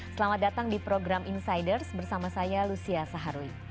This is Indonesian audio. selamat datang di program insiders bersama saya lucia saharwi